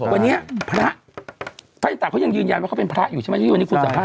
วันนี้พระพระอินตะเขายังยืนยันว่าเขาเป็นพระอยู่ใช่ไหมที่วันนี้คุณสัมภาษ